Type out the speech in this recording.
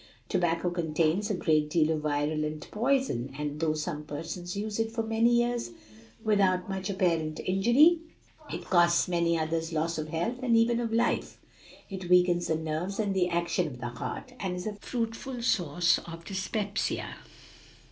Tobacco contains a great deal of virulent poison, and though some persons use it for many years without much apparent injury, it costs many others loss of health and even of life. It weakens the nerves and the action of the heart, and is a fruitful source of dyspepsia."